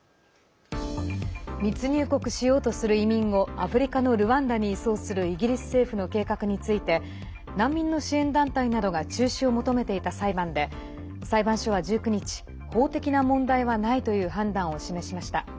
密入国しようとする移民をアフリカのルワンダに移送するイギリス政府の計画について難民の支援団体などが中止を求めていた裁判で裁判所は１９日法的な問題はないという判断を示しました。